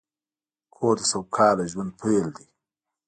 کور د سوکاله ژوند پیل دی.